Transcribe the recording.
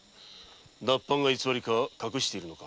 脱藩が偽りなのか隠しているのか。